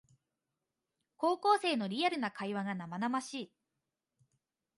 高校生のリアルな会話が生々しい